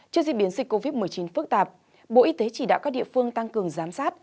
trước diễn biến dịch covid một mươi chín phức tạp bộ y tế chỉ đạo các địa phương tăng cường giám sát